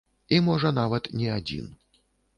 І можа, нават, не адзін.